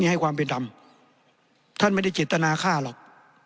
ให้ความเป็นธรรมท่านไม่ได้เจตนาฆ่าหรอก